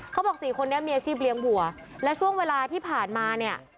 เขาบอกสี่คนนี้มีอาชีพเลี้ยงวัวและช่วงเวลาที่ผ่านมาเนี่ย